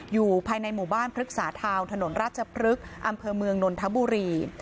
อยู่ภายในหมู่บ้านพฤกษาทาวน์ถนนราชพฤกษ์อำเภอเมืองนนทบุรี